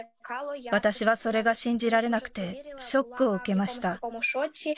私はそれが信じられなくて、ショックを受けました。